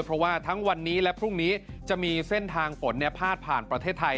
เพราะว่าทั้งวันนี้และพรุ่งนี้จะมีเส้นทางฝนพาดผ่านประเทศไทย